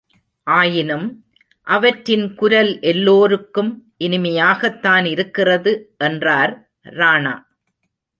ஆயினும், அவற்றின் குரல் எல்லோருக்கும் இனிமையாகத்தான் இருக்கிறது! என்றார் ராணா.